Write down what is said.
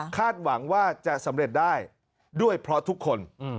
หวังว่าจะสำเร็จได้ด้วยเพราะทุกคน